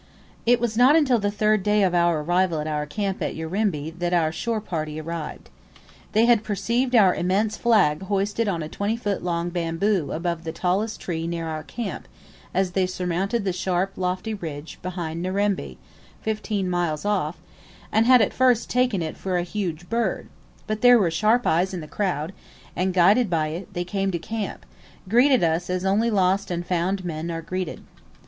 It was not until the third day of our arrival at our camp at Urimba that our shore party arrived. They had perceived our immense flag hoisted on a twenty feet long bamboo above the tallest tree near our camp as they surmounted the sharp lofty ridge behind Nerembe, fifteen miles off, and had at first taken it for a huge bird; but there were sharp eyes in the crowd, and, guided by it, they came to camp, greeted as only lost and found men are greeted.